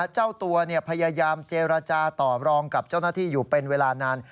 เจ้าตัวพยายามเจรจาต่อรองกับเจ้าหน้าที่อยู่เป็นเวลานาน